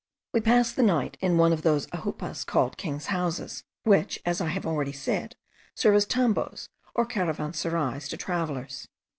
We passed the night in one of those ajupas called King's houses, which, as I have already said, serve as tambos or caravanserais to travellers.